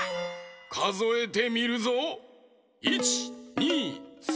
かぞえてみるぞ。